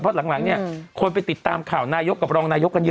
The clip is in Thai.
เพราะหลังเนี่ยคนไปติดตามข่าวนายกกับรองนายกกันเยอะ